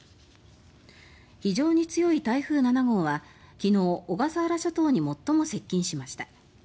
非常に強い台風７号は昨日、小笠原諸島に最も接近しました。